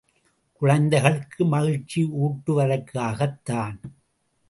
குழந்தைகளுக்கு மகிழ்ச்சி ஊட்டுவதற்காகத்தான்!